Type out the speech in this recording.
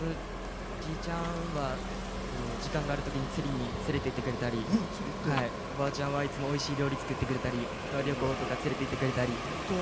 じいちゃんは時間がある時に釣りに連れて行ってくれたりおばあちゃんはいつもおいしい料理作ってくれたりあとは旅行とか連れて行ってくれたり。